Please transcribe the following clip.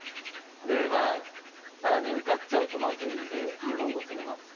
ただね受かっちゃうとまずいんでどんどん攻めます。